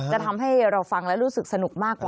จะทำให้เราฟังแล้วรู้สึกสนุกมากกว่า